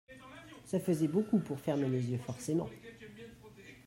Ça faisait beaucoup pour fermer les yeux, forcément.